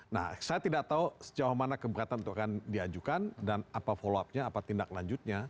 nah saya tidak tahu sejauh mana keberatan itu akan diajukan dan apa follow up nya apa tindak lanjutnya